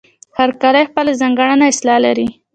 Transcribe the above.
هر کلی خپله ځانګړې اصطلاح لري.